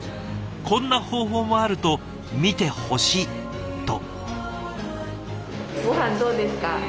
こんな方法もあると見てほしい」と。